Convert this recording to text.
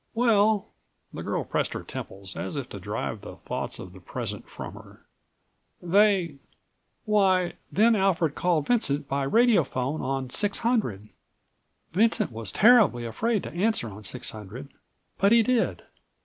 "Well," the girl pressed her temples as if to167 drive the thoughts of the present from her. "They—why then Alfred called Vincent by radiophone on 600. Vincent was terribly afraid to answer on 600, but he did.